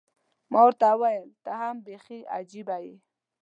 ما ورته وویل، ته هم بیخي عجيبه یې.